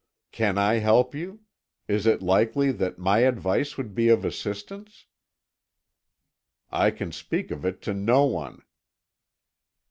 "Can I help you? Is it likely that my advice would be of assistance?" "I can speak of it to no one."